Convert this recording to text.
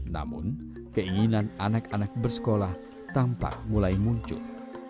namun keinginan anak anak bersekolah tampak mulai muncul